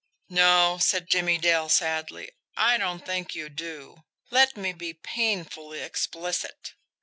"No," said Jimmie Dale sadly, "I don' think you do. Let me be painfully explicit.